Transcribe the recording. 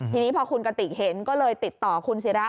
ทีนี้พอคุณกติกเห็นก็เลยติดต่อคุณศิรา